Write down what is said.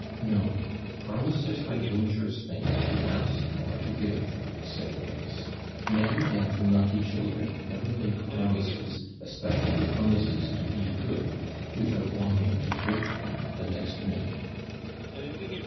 'No; promises are dangerous things to ask or to give,' said Grace. 'Men and naughty children never make promises, especially promises to be good, without longing to break them the next minute.'